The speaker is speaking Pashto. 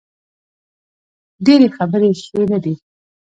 ډیرې خبرې ښې نه دي